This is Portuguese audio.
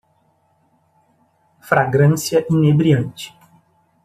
Fragrância inebriante